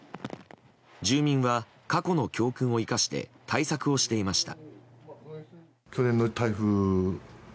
住民は過去の教訓を生かして対策をしていました。